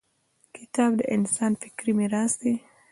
• کتاب د انسان فکري میراث دی.